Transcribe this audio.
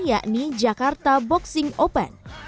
yakni jakarta boxing open